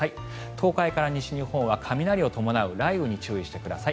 東海から西日本は雷を伴う雷雨に注意してください。